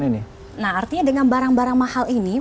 nah artinya dengan barang barang mahal ini